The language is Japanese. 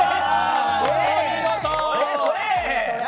お見事。